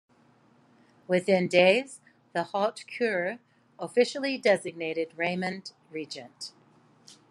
Within days, the "Haute Cour" officially designated Raymond regent.